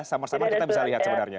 sama sama kita bisa lihat sebenarnya